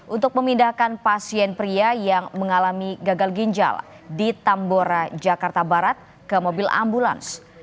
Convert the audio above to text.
untuk memindahkan pasien pria yang mengalami gagal ginjal di tambora jakarta barat ke mobil ambulans